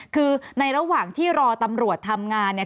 คือในระหว่างที่รอตำรวจทำงานเนี่ย